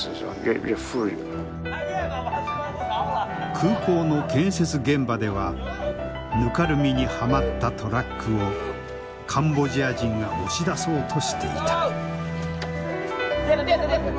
空港の建設現場ではぬかるみにはまったトラックをカンボジア人が押し出そうとしていた。